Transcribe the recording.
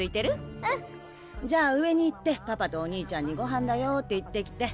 じゃあ上に行ってパパとお兄ちゃんに「ごはんだよ」って言ってきて。